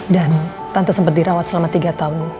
dan tante sempat dirawat selama tiga tahun